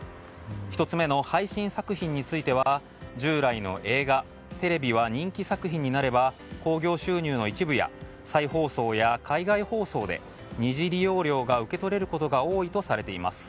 １つ目の配信作品については従来の映画やテレビは人気作品になれば興行収入の一部や再放送や海外放送で二次利用料が受け取れることが多いとされています。